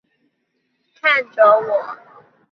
看着我